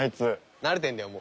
慣れてるんだよ